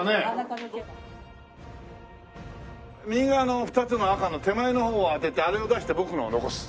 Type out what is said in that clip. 右側の２つの赤の手前の方を当ててあれを出して僕のを残す。